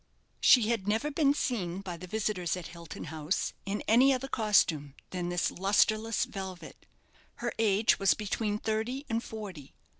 She had never been seen by the visitors at Hilton House in any other costume than this lustreless velvet. Her age was between thirty and forty.